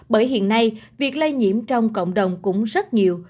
bởi hiện nay việc lây nhiễm trong cộng đồng cũng rất nhiều